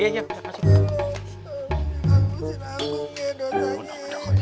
alusin aku nih dosanya